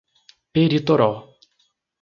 Peritoró